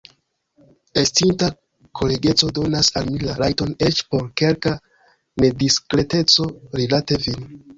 Estinta kolegeco donas al mi la rajton eĉ por kelka nediskreteco rilate vin.